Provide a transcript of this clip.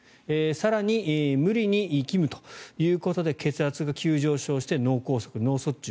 更に無理にいきむということで血圧が急上昇して脳梗塞、脳卒中